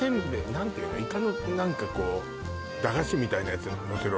何ていうのイカの何かこう駄菓子みたいなやつのせる